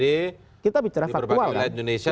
di berbagai wilayah indonesia